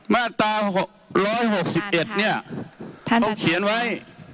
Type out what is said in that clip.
มาตราร้อยหกสิบเอ็ดเนี่ยต้องเขียนไว้